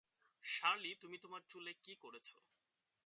Shirley, তুমি তোমার চুলে কি করেছ?